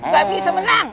gak bisa menang